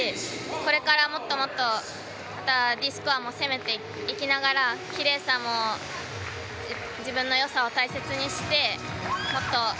これからもっとＤスコアも攻めていきながらきれいさも自分の良さを大切にして、もっと。